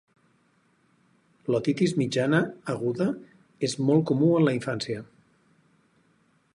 L'otitis mitjana aguda és molt comú en la infància.